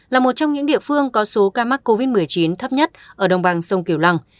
là một trong những địa phương có số ca mắc covid một mươi chín thấp nhất ở đồng bằng sông kiểu long